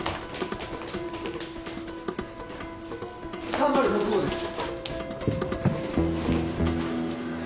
３０６号です。